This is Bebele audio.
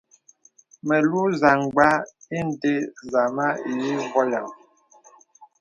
Melùù zamgbā ìndə zāmā i vɔyaŋ.